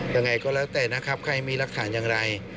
ยังไงก็แล้วแต่นะครับใครมีหลักฐานอย่างไร